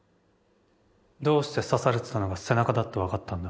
どうして刺されてたのが背中だって分かったんだ？